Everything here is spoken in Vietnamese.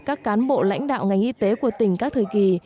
các cán bộ lãnh đạo ngành y tế của tỉnh các thời kỳ